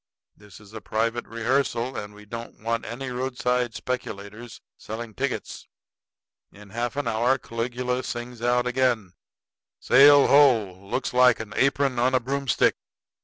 This is a private rehearsal, and we don't want any roadside speculators selling tickets." In half an hour Caligula sings out again: "Sail ho! Looks like an apron on a broomstick."